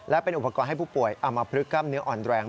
และเป็นอุปกรณ์ให้ผู้ป่วยอามพลึกกล้ามเนื้ออ่อนแรง